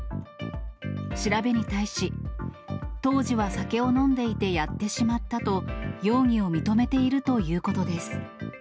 調べに対し、当時は酒を飲んでいてやってしまったと、容疑を認めているということです。